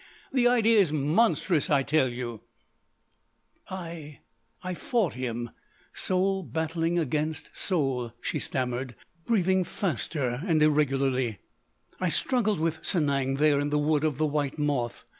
The idea is monstrous, I tell you——" "I—I fought him—soul battling against soul——" she stammered, breathing faster and irregularly. "I struggled with Sanang there in the Wood of the White Moth.